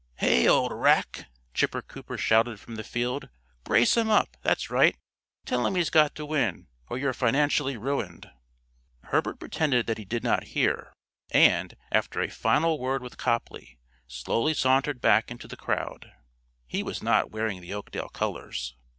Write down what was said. "Hey, old Rack!" Chipper Cooper shouted from the field. "Brace him up that's right. Tell him he's got to win or you're financially ruined." Herbert pretended that he did not hear, and, after a final word with Copley, slowly sauntered back into the crowd. He was not wearing the Oakdale colors.